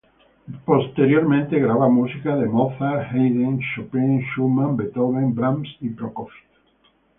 Posteriormente graba música de Mozart, Haydn, Chopin, Schumann, Beethoven, Brahms y Prokofiev.